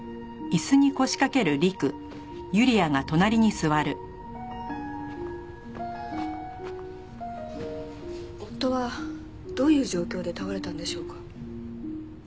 夫はどういう状況で倒れたんでしょうか？